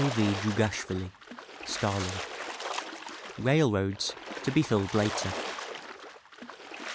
V. Djougashvili (Stalin) Railroads: To be filled later.